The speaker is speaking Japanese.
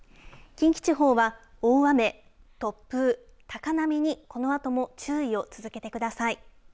近畿地方は大雨、突風高波に、このあとも注意を続けてください。